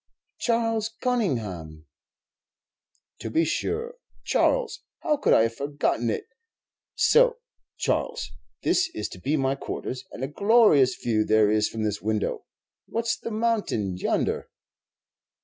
"Charles Conyngham." "To be sure, Charles; how could I have forgotten it! So, Charles, this is to be my quarters; and a glorious view there is from this window. What's the mountain yonder?"